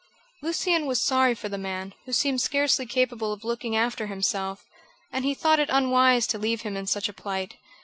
Lucian was sorry for the man, who seemed scarcely capable of looking after himself, and he thought it unwise to leave him in such a plight.